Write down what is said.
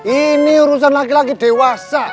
ini urusan laki laki dewasa